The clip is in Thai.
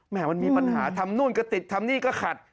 มันมีปัญหาทำนู่นก็ติดทำนี่ก็ขัด